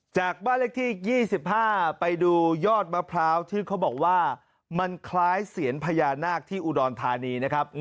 จากบ้านเลขที่๒๕ไปดูยอดมะพร้าวที่เขาบอกว่ามันคล้ายเสียญพญานาคที่อุดรธานีนะครับ